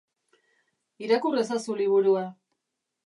Irakur ezazu liburua.